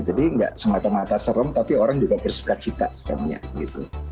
jadi nggak semata mata serem tapi orang juga bersuka suka setemanya gitu